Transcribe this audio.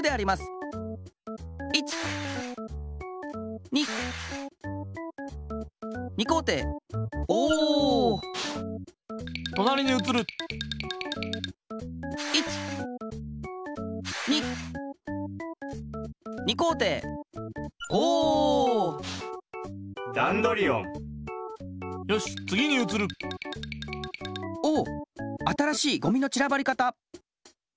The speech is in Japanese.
新しいゴミのちらばり方！